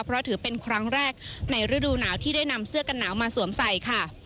เพราะถือเป็นครั้งแรกในฤดูหนาวที่ได้นำเสื้อกันหนาวมาสวมใส่ค่ะ